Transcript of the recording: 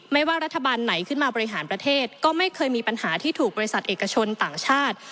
ไม่ว่ารัฐบาลไหนขึ้นมาบริหารประเทศก็ไม่เคยมีปัญหาที่ถูกบริษัทเอกชนต่างชาติ